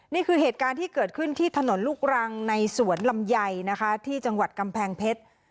นี่คือเหตุการณ์ที่เกิดขึ้นที่ถนนลูกรังในสวนลำไยนะคะที่จังหวัดกำแพงเพชร